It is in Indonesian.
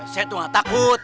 saya tuh gak takut